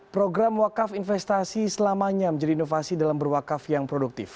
program wakaf investasi selamanya menjadi inovasi dalam berwakaf yang produktif